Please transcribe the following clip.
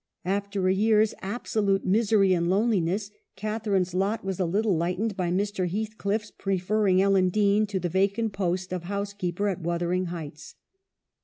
After a year's absolute misery and loneliness, Catharine's lot was a little lightened by Mr. Heathcliff's preferring Ellen Dean to the vacant post of housekeeper at Wuthering Heights.